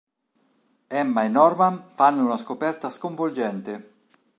Emma e Norman fanno una scoperta sconvolgente.